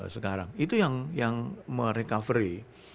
sekarang itu yang merecovery